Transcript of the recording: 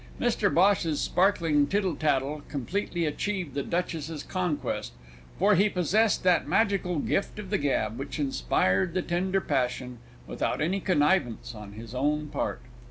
Mr Bhosh's sparkling tittle tattle completely achieved the Duchess's conquest, for he possessed that magical gift of the gab which inspired the tender passion without any connivance on his own part.